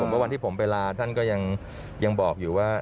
ว่าวันที่ผมไปลาท่านก็ยังบอกอยู่ว่า